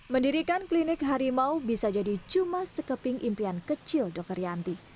mendirikan klinik harimau bisa jadi cuma sekeping impian kecil dokter yanti